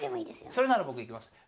それなら僕いけますね。